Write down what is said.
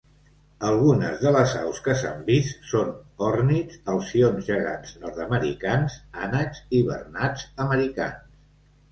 Algunes de les aus que s'han vist són ornits, alcions gegans nord-americans, ànecs i bernats americans.